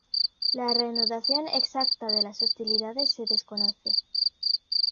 La reanudación exacta de las hostilidades se desconoce.